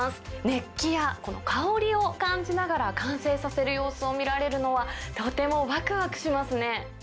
熱気や、この香りを感じながら完成させる様子を見られるのは、とてもわくわくしますね。